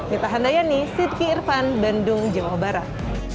kita hendayani siti irfan bandung jawa barat